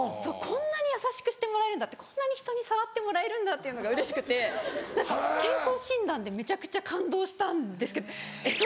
こんなに優しくしてもらえるこんなに人に触ってもらえるっていうのがうれしくて何か健康診断でめちゃくちゃ感動したんですけどえっ